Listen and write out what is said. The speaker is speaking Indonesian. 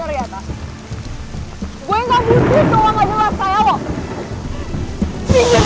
gue tinggalan mamah rudi kalo coba